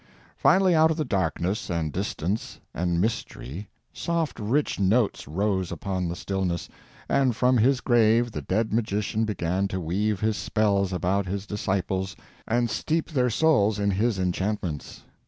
Finally, out of darkness and distance and mystery soft rich notes rose upon the stillness, and from his grave the dead magician began to weave his spells about his disciples and steep their souls in his enchantments.